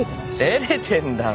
照れてんだろ。